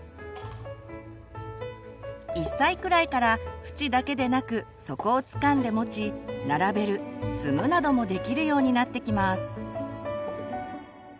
１歳くらいから縁だけでなく底をつかんで持ち並べる積むなどもできるようになってきます。